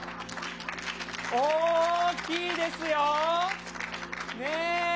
大きいですよ。ねぇ。